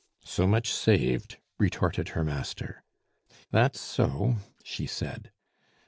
"So much saved," retorted her master. "That's so," she said.